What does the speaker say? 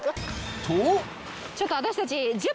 とちょっと私たち。